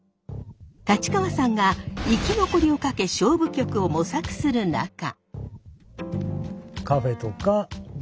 立川さんが生き残りをかけ勝負曲を模索する中。